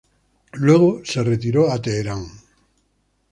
Luego retiro a Teherán.